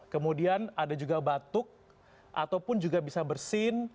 kemudian ada juga batuk ataupun juga bisa bersin